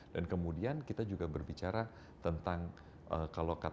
dan kemudian kita juga berbicara tentang kalau kata orang kata tak kenal maka tak sayang